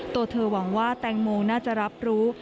ตัวเธอหวังว่าแตงโมน่าจะรับรู้